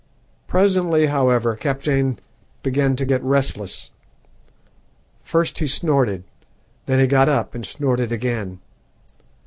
"Presently, however, Kaptein began to get restless. First he snorted, then he got up and snorted again.